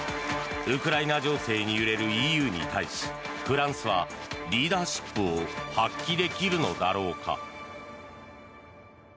ウクライナ情勢に揺れるＥＵに対しフランスはリーダーシップを発揮できるのだろうか。